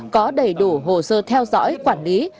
có đầy đủ hồ sơ theo dõi quản lý